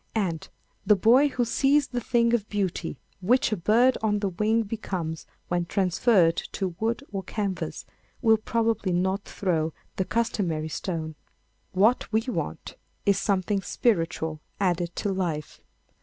And, the boy who sees the thing of beauty which a bird on the wing becomes when transferred to wood or canvas will probably not throw the customary stone. What we want is something spiritual added to life.